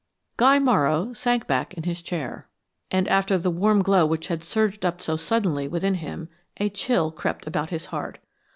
Guy Morrow sank back in his chair, and after the warm glow which had surged up so suddenly within him, a chill crept about his heart.